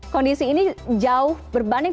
kondisi ini jauh berbanding